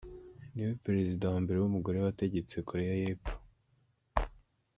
Ni we Perezida wa mbere w’umugore wategetse Koreya y’Epfo.